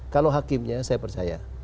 kalau hakimnya saya percaya